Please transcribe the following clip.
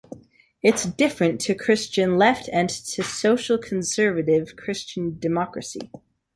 It's different to Christian left and to social-conservative Christian democracy.